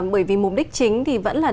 bởi vì mục đích chính thì vẫn là